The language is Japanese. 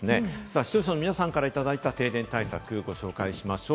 視聴者の皆さんからいただいた停電対策をご紹介しましょう。